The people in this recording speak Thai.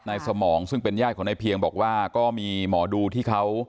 สมองซึ่งเป็นญาติของนายเพียงบอกว่าก็มีหมอดูที่เขา